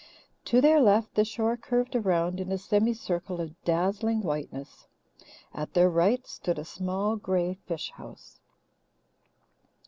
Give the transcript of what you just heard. To their left the shore curved around in a semi circle of dazzling whiteness; at their right stood a small grey fish house.